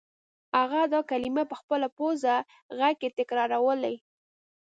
هغه دا کلمې په خپل پوزه غږ کې تکرارولې